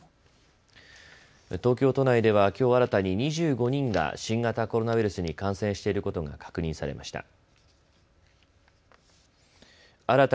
東京都内ではきょう新たに２５人が新型コロナウイルスに感染していることが確認されました。